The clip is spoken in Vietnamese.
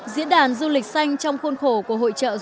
diễn đàn du lịch xanh trong khuôn khổ của hội trợ du lịch